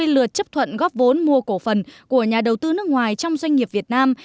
ba trăm tám mươi lượt chấp thuận góp vốn mua cổ phần của nhà đầu tư nước ngoài trong doanh nghiệp việt nam